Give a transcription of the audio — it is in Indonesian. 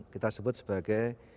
kita sebut sebagai